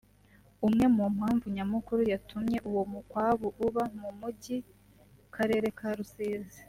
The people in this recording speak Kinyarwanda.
Imwe mumpamvu nyamukuru yatumye uwo mukwabu uba mu mujyi karere ka Rusizi